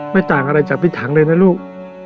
ต่างอะไรจากพี่ถังเลยนะลูก